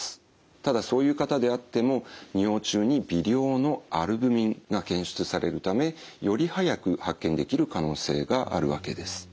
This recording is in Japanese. ただそういう方であっても尿中に微量のアルブミンが検出されるためより早く発見できる可能性があるわけです。